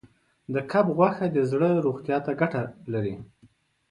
د کب غوښه د زړه روغتیا ته ګټه لري.